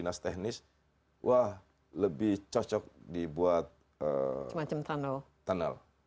ya terima kasih